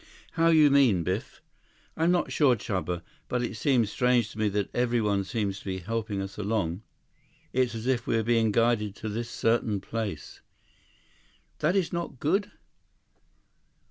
"How you mean, Biff?" "I'm not sure, Chuba. But it seems strange to me that everyone seems to be helping us along. It's as if we're being guided to this certain place." "That is not good?"